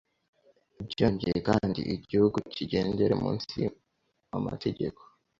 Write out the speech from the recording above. Byongeye kendi, Igihugu kigendere umunsi metegeko,